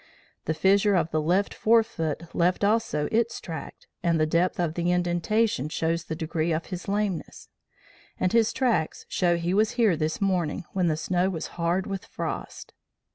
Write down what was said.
The fissure of the left fore foot left also its track, and the depth of the indentation shows the degree of his lameness; and his tracks show he was here this morning, when the snow was hard with frost.'